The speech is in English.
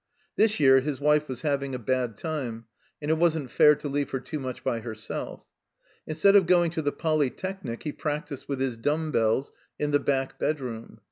This year his wife was having a bad time, and it wasn't fair to leave her too much by herself. Instead of going to the Polytechnic he practised with his dumb bells in the back bedroom.